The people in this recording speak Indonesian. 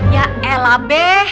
ya elah be